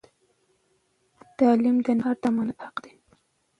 تعلیم د نهار د امانت حق دی.